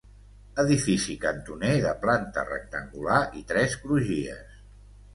Edifici cantoner de planta rectangular i tres crugies.